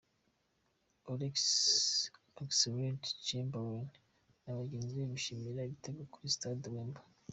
Alex Oxlade-Chamberlain na bagenzi be bishimira igitego kuri stade Wembley.